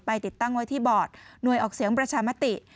ติดตั้งไว้ที่บอร์ดหน่วยออกเสียงประชามติ